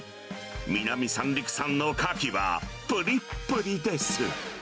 南三陸産のカキは、ぷりっぷりです。